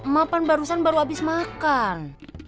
ma pan barusan baru habis makan